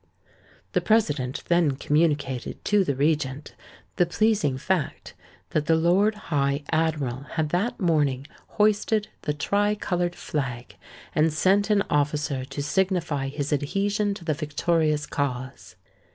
The President then communicated to the Regent the pleasing fact that the Lord High Admiral had that morning hoisted the tri coloured flag and sent an officer to signify his adhesion to the victorious cause.